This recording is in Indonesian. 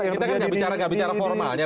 kita kan gak bicara formalnya